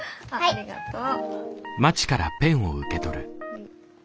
ありがとう。